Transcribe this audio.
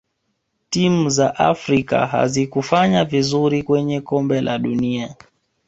timu za afrika hazikufanya vizuri kwenye kombe la dunia